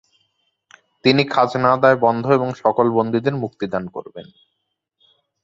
তিনি খাজনা আদায় বন্ধ এবং সকল বন্দীদের মুক্তি দান করেন।